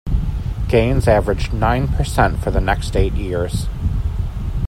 Gains averaged nine percent for the next eight years.